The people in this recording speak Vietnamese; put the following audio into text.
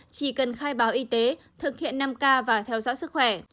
chỉ cần khai báo y tế thực hiện năm k và theo dõi sức khỏe